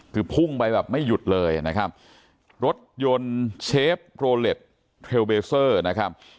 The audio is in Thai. คือพุ่งไปแบบไม่หยุดเลยนะครับรถยนต์เชฟโรเล็ตเทลเบเซอร์นะครับ